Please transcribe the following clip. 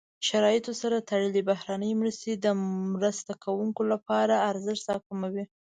شرایطو سره تړلې بهرنۍ مرستې د مرسته کوونکو لپاره ارزښت راکموي.